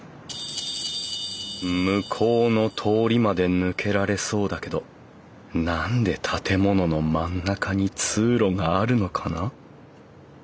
向こうの通りまで抜けられそうだけど何で建物の真ん中に通路があるのかな？